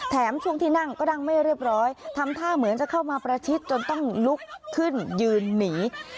ช่วงที่นั่งก็นั่งไม่เรียบร้อยทำท่าเหมือนจะเข้ามาประชิดจนต้องลุกขึ้นยืนหนี